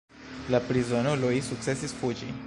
La prizonuloj sukcesis fuĝi.